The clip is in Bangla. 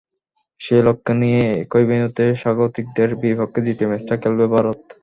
সেই লক্ষ্য নিয়েই একই ভেন্যুতে স্বাগতিকদের বিপক্ষে দ্বিতীয় ম্যাচটা খেলবে ভারত।